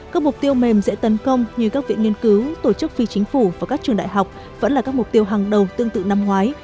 các mục tiêu mềm dễ tấn công như các viện nghiên cứu tổ chức phi chính phủ và các trường đại học vẫn là các mục tiêu hàng đầu tương tự năm ngoái